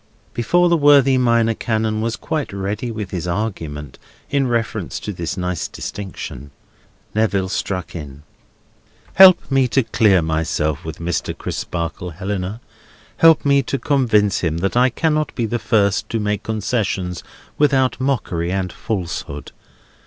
Before the worthy Minor Canon was quite ready with his argument in reference to this nice distinction, Neville struck in: "Help me to clear myself with Mr. Crisparkle, Helena. Help me to convince him that I cannot be the first to make concessions without mockery and falsehood.